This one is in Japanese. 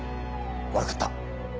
悪かった。